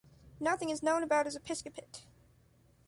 Nothing is known about his episcopate.